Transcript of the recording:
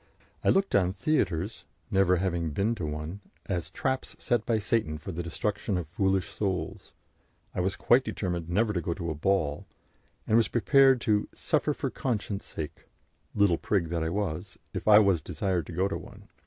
I looked on theatres (never having been to one) as traps set by Satan for the destruction of foolish souls; I was quite determined never to go to a ball, and was prepared to "suffer for conscience' sake " little prig that I was if I was desired to go to one.